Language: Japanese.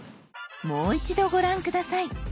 もう一度ご覧下さい。